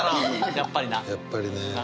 やっぱりな。